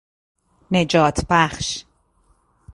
نجات بخش